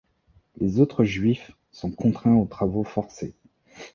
Les autres juifs sont contraints aux travaux forcés.